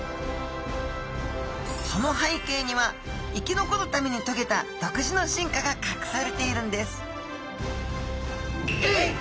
その背景には生き残るためにとげた独自の進化が隠されているんです！